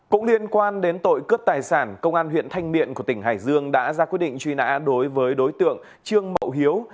cũng liên quan đến tội cướp tài sản công an huyện thanh miện của tỉnh hải dương đã ra quyết định truy nã đối với đối tượng trương mậu hiếu